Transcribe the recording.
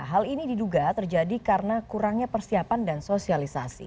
hal ini diduga terjadi karena kurangnya persiapan dan sosialisasi